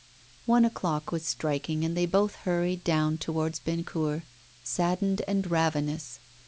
One o'clock was striking, and they both hurried down towards Bennecourt, saddened and ravenous.